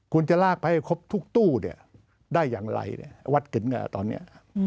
คุณจะลากไปให้ครบทุกตู้ได้อย่างไรวัดกินกันตอนนี้